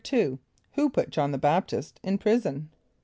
= Who put J[)o]hn the B[)a]p´t[)i]st in prison?